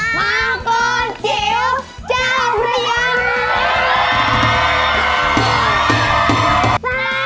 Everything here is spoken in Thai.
มาก่อนจิ๋วเจ้าพระยา